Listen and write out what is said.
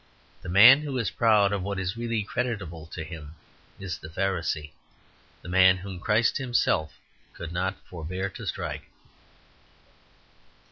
The man who is proud of what is really creditable to him is the Pharisee, the man whom Christ Himself could not forbear to strike.